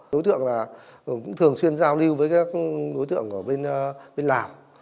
đối tượng là cũng thường xuyên giao lưu với các đối tượng ở bên lào